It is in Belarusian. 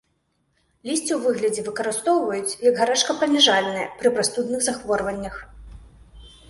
Лісце ў выглядзе выкарыстоўваюць як гарачкапаніжальнае пры прастудных захворваннях.